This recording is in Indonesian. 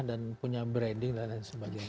dan punya branding dan sebagainya